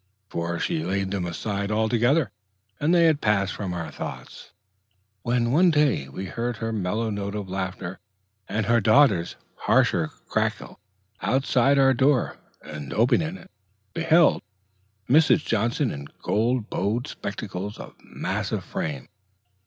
Before long she laid them aside altogether, and they had passed from our thoughts, when one day we heard her mellow note of laughter and her daughter's harsher cackle outside our door, and, opening it, beheld Mrs. Johnson in gold bowed spectacles of massive frame.